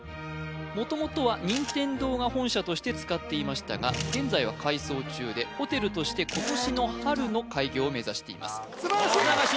元々は任天堂が本社として使っていましたが現在は改装中でホテルとして今年の春の開業を目指しています素晴らしい砂川信哉